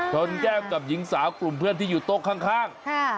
ชนแก้มกับหญิงสาวกลุ่มเพื่อนที่อยู่โต๊ะข้าง